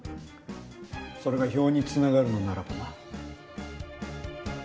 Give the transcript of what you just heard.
それが票に繋がるのならばな。